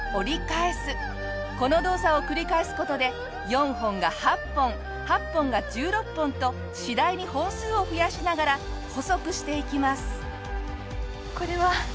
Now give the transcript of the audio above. この動作を繰り返す事で４本が８本８本が１６本と次第に本数を増やしながら細くしていきます。